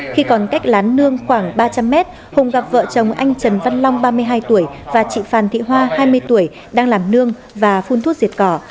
khi còn cách lán nương khoảng ba trăm linh mét hùng gặp vợ chồng anh trần văn long ba mươi hai tuổi và chị phan thị hoa hai mươi tuổi đang làm nương và phun thuốc diệt cỏ